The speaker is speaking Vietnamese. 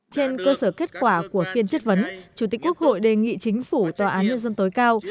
trên cơ sở kết quả của phiên chất vấn chủ tịch quốc hội đề nghị chính phủ tòa án nhân dân tối cao